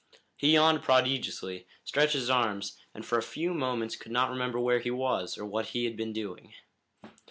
He yawned prodigiously, stretched his arms, and for a few moments could not remember where he was, or what he had been doing.